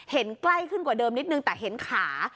เห็นใกล้ขึ้นกว่าเดิมนิดนึงแต่เห็นขา